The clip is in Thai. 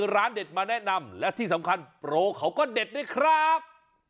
ร้านเด็ดมาแนะนำและที่สำคัญโปรเขาก็เด็ดด้วยครับ